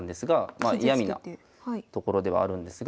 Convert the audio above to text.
まあ嫌みなところではあるんですが。